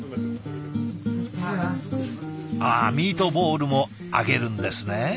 ああミートボールも揚げるんですね。